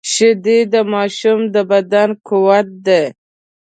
شیدې د ماشوم د بدن قوت دي